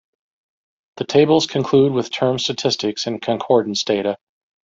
The tables conclude with term statistics and concordance data.